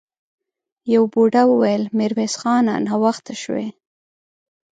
يوه بوډا وويل: ميرويس خانه! ناوخته شوې!